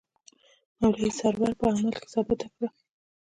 مولوي سرور په عمل کې ثابته کړه.